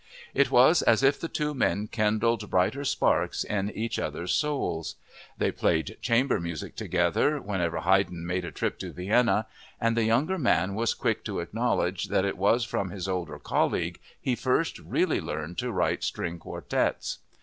It was as if the two men kindled brighter sparks in each other's souls. They played chamber music together whenever Haydn made a trip to Vienna, and the younger man was quick to acknowledge that it was from his older colleague he first really learned to write string quartets.